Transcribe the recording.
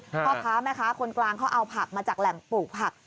พ่อค้าแม่ค้าคนกลางเขาเอาผักมาจากแหล่งปลูกผัก